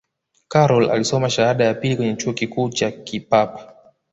karol alisoma shahada ya pili kwenye chuo kikuu cha kipapa